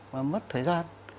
mất thời gian